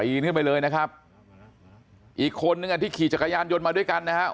ขึ้นไปเลยนะครับอีกคนนึงอ่ะที่ขี่จักรยานยนต์มาด้วยกันนะครับ